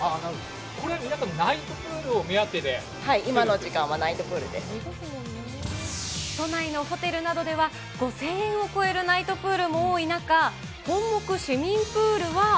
これ、皆さん、はい、今の時間はナイトプー都内のホテルなどでは、５０００円を超えるナイトプールも多い中、本牧市民プールは。